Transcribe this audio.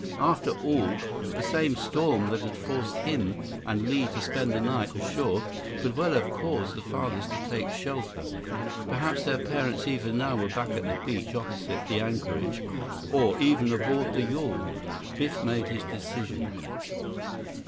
After all, the same storm that had forced him and Li to spend the night ashore could well have caused the fathers to take shelter. Perhaps their parents even now were back at the beach opposite the anchorage, or even aboard the yawl. Biff made his decision.